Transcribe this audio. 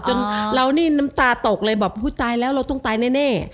จนเรานี่น้ำตาตกเลยแบบอุ้ยตายแล้วเราต้องตายแน่